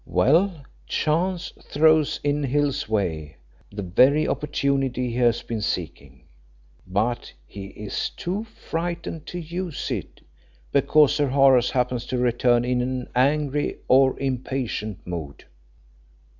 Well, chance throws in Hill's way the very opportunity he has been seeking, but he is too frightened to use it because Sir Horace happens to return in an angry or impatient mood.